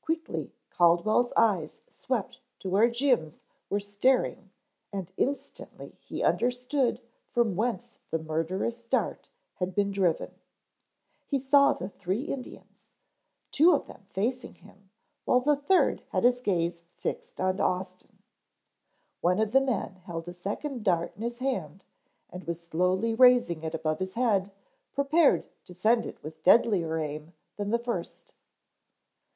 Quickly Caldwell's eyes swept to where Jim's were staring and instantly he understood from whence the murderous dart had been driven. He saw the three Indians, two of them facing him while the third had his gaze fixed on Austin. One of the men held a second dart in his hand and was slowly raising it above his head prepared to send it with deadlier aim than the first.